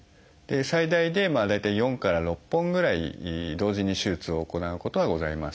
最大で大体４から６本ぐらい同時に手術を行うことはございます。